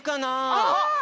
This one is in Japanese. あっ！